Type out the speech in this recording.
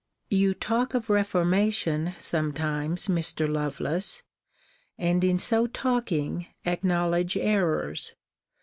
You talk of reformation sometimes, Mr. Lovelace, and in so talking, acknowledge errors.